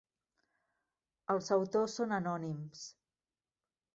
Els autors són anònims.